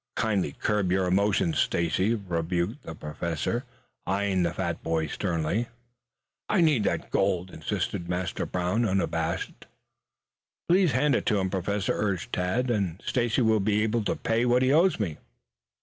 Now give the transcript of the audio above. "Kindly curb your emotions, Stacy," rebuked the Professor, eyeing the fat boy sternly. "I need that gold," insisted Master Brown, unabashed. "Please hand it to him, Professor," urged Tad. "Then Stacy will be able to pay what he owes me."